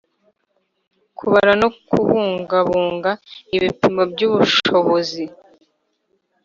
kubara no kubungabunga igipimo cy ubushobozi